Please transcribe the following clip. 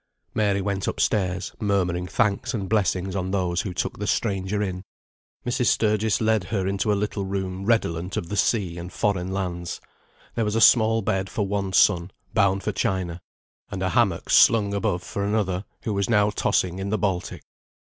Mary went up stairs murmuring thanks and blessings on those who took the stranger in. Mrs. Sturgis led her into a little room redolent of the sea and foreign lands. There was a small bed for one son, bound for China; and a hammock slung above for another, who was now tossing in the Baltic.